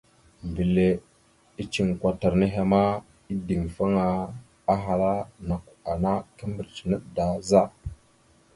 Mbile iceŋ kwatar nehe ma, ideŋfaŋa, ahala: « Nakw ana kimbirec naɗ da za? ».